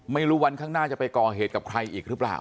ไม่รู้วันข้างหน้าจะไปก่อเหตุกับใครอีกหรือเปล่า